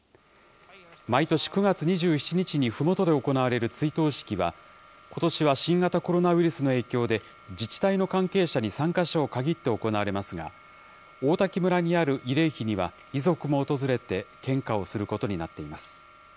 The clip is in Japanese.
毎年９月２７日にふもとで行われる追悼式は、ことしは新型コロナウイルスの影響で自治体の関係者に参加者を限って行われますが、王滝村にある慰霊碑には、遺族も訪れて、献花をすることになっています。